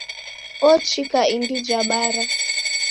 Ochika indi ja bara.